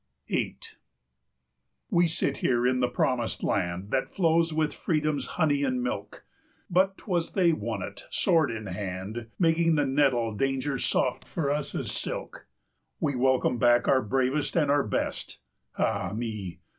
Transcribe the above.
VIII. We sit here in the Promised Land That flows with Freedom's honey and milk; But 't was they won it, sword in hand, Making the nettle danger soft for us as silk. 235 We welcome back our bravest and our best; Ah me!